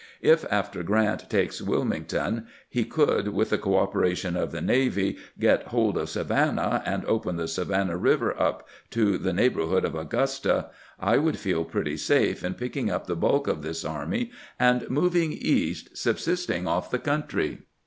If after G rant takes Wil mington he could, with the cooperation of the navy, get hold of Savannah, and open the Savannah River up to THE CAPTOK OF ATLANTA 293 the neighborhood of Augusta, I woiild feel pretty safe in picking up the bulk of this army and moving east, subsisting off the country.